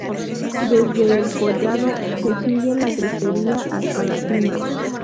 Desde el collado se sigue la crestería hasta la cima.